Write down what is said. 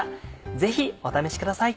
ぜひお試しください。